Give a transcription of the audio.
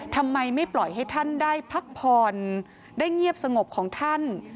ทำไมไม่ปล่อยให้ท่านได้พักผ่อนได้เงียบสงบของท่าน